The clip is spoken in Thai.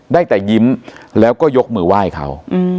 ได้แต่ยิ้มแล้วก็ยกมือไหว้เขา